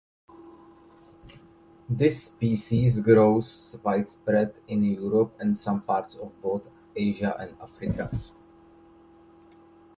This species grows widespread in Europe and some parts of both Asia and Africa.